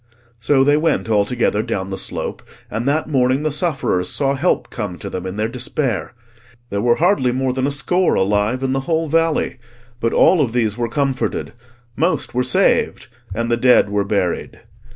So they went all together down the slope, and that morning the sufferers saw help come to them in their despair. There were hardly more than a score alive in the whole valley; but all of these were comforted, most were saved, and the dead were buried.